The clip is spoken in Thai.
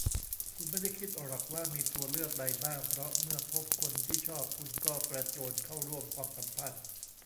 คุณไม่ได้คิดหรอกว่ามีตัวเลือกใดบ้าง เพราะเมื่อพบคนที่ชอบ คุณก็กระโจนเข้าร่วมความสัมพันธ์